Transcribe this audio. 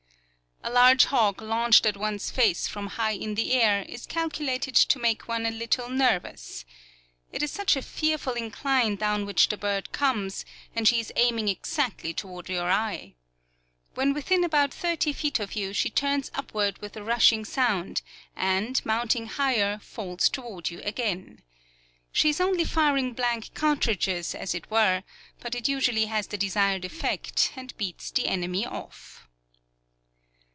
A large hawk launched at one's face from high in the air is calculated to make one a little nervous. It is such a fearful incline down which the bird comes, and she is aiming exactly toward your eye. When within about thirty feet of you, she turns upward with a rushing sound, and, mounting higher, falls toward you again. She is only firing blank cartridges, as it were; but it usually has the desired effect, and beats the enemy off.